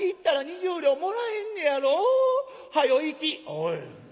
「おい。